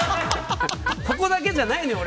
ここだけじゃないのよ